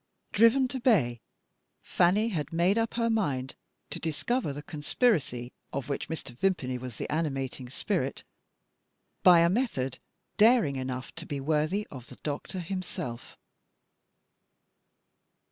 Driven to bay, Fanny had made up her mind to discover the conspiracy of which Mr. Vimpany was the animating spirit, by a method daring enough to be worthy of the doctor himself.